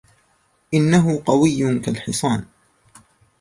إنه قوي كالحصان.